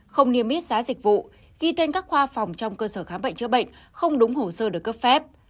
không niêm yết giá dịch vụ ghi tên các khoa phòng trong cơ sở khám bệnh chữa bệnh không đúng hồ sơ được cấp phép